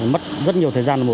mất rất nhiều thời gian